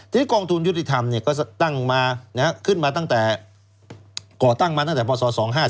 ทีนี้กองทุนยุติธรรมก็ตั้งมาขึ้นมาตั้งแต่ก่อตั้งมาตั้งแต่พศ๒๕๔